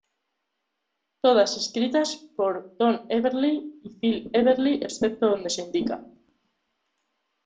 Todas escritas por Don Everly y Phil Everly excepto donde se indica.